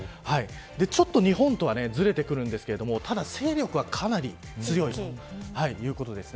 ちょっと日本とはずれてくるんですがただ、勢力はかなり強いということです。